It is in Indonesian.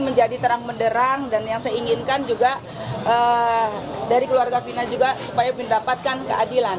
menjadi terang menderang dan yang saya inginkan juga dari keluarga fina juga supaya mendapatkan keadilan